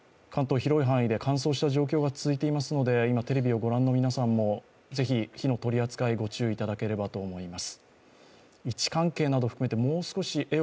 広い範囲で乾燥した状況が続いていますので今、テレビをご覧の皆さんもぜひ火の取り扱いご注意いただければと思います。